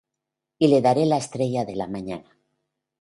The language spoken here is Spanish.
Y le daré la estrella de la mañana.